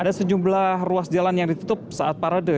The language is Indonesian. ada sejumlah ruas jalan yang ditutup saat parade